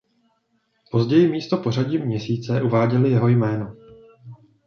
Později místo pořadí měsíce uváděli jeho jméno.